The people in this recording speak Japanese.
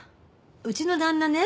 うちの旦那ね